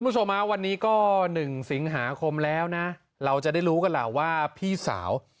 คุณผู้ชมฮะวันนี้ก็๑สิงหาคมแล้วนะเราจะได้รู้กันล่ะว่าพี่สาว